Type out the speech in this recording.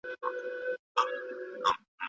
د ټاکنو خپلواک کمېسیون څه دنده لري؟